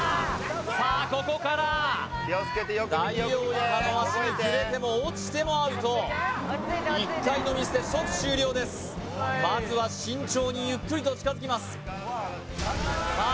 さあここからダイオウイカの足に触れても落ちてもアウト１回のミスで即終了ですまずは慎重にゆっくりと近づきますさあ